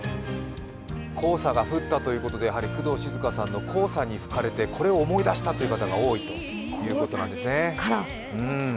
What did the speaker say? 黄砂が降ったということで工藤静香さんの「黄砂に吹かれて」を思い出したという方が多いということなんですね。